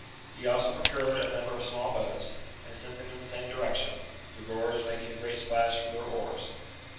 He also procured a number of small boats, and sent them in the same direc tion, the rowers making a great splash with their oars.